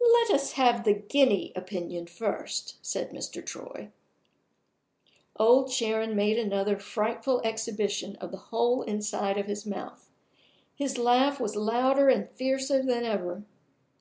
"Let us have the guinea opinion first," said Mr. Troy. Old Sharon made another frightful exhibition of the whole inside of his mouth; his laugh was louder and fiercer than ever.